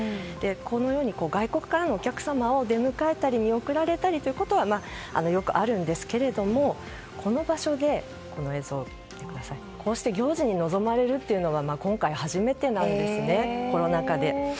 このように外国からのお客様を出迎えたり見送られたりということはよくあるんですけどもこの場所で、こうして行事に臨まれるというのは今回初めてなんですねコロナ禍で。